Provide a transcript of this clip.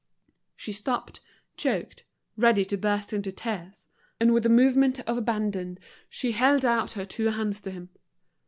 She stopped, choked, ready to burst into tears; and with a movement of abandon she held out her two hands to him.